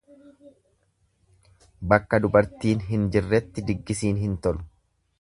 Bakka dubartiin hin jirretti diggisiin hin tolu.